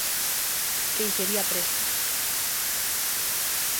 Queixería Prestes.